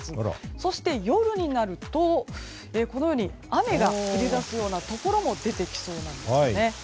そして夜になると雨が降り出すようなところも出てきそうなんですよね。